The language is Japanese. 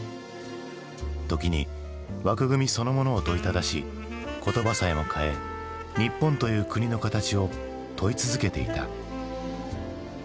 時に枠組みそのものを問いただし言葉さえも変え日本という国の形を問い続けていた。